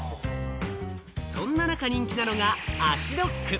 そんな中、人気なのが足ドック。